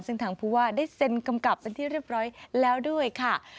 ซึ่งทางผู้ว่าได้เซ็นกำกับเป็นที่เรียบร้อยแล้วด้วยค่ะ